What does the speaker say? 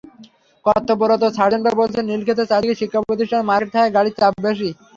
কর্তব্যরত সার্জেন্টরা বলছেন, নীলক্ষেতের চারদিকে শিক্ষাপ্রতিষ্ঠান, মার্কেট থাকায় গাড়ির চাপ বেশি।